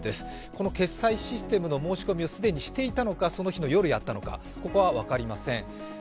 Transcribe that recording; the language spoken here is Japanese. この決済システムの申し込みを既にしていたのか、その日の夜やったのかは分かりません。